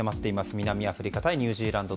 南アフリカ対ニュージーランド。